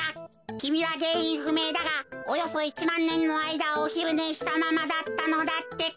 きみはげんいんふめいだがおよそ１まんねんのあいだおひるねしたままだったのだってか。